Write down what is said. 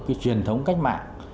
cái truyền thống cách mạng